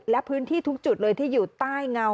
และพื้นที่ทุกจุดเลยที่อยู่ใต้เงา